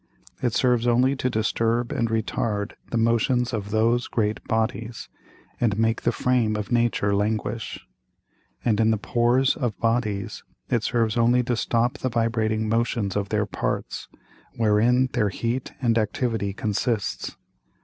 It serves only to disturb and retard the Motions of those great Bodies, and make the Frame of Nature languish: And in the Pores of Bodies, it serves only to stop the vibrating Motions of their Parts, wherein their Heat and Activity consists.